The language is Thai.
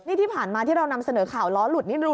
นี่ที่ผ่านมาที่เรานำเสนอข่าวล้อหลุดนิดนึง